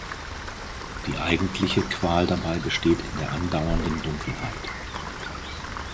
Die eigentliche Qual dabei besteht in der andauernden Dunkelheit.